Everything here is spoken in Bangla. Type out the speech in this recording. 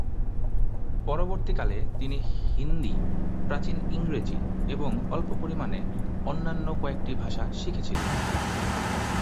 পরবর্তীকালে তিনি হিন্দি, প্রাচীন ইংরেজি এবং অল্প পরিমানে অন্যান্য কয়েকটি ভাষা শিখেছিলেন।